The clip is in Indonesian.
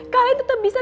kalian tetap bisa jalan